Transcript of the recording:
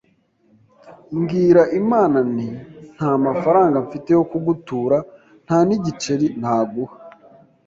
mbwira Imana nti nta mafaranga mfite yo kugutura nta n’igiceri naguha,